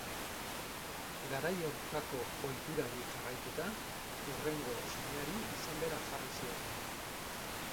Garai hartako ohiturari jarraituta, hurrengo semeari izen bera jarri zioten.